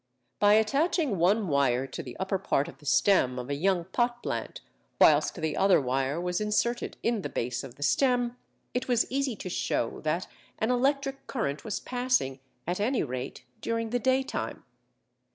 By attaching one wire to the upper part of the stem of a young pot plant whilst the other wire was inserted in the base of the stem, it was easy to show that an electric current was passing at any rate, during the daytime.